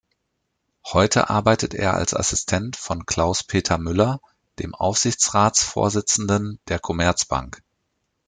Heute arbeitet er als Assistent von Klaus-Peter Müller, dem Aufsichtsratsvorsitzenden der Commerzbank.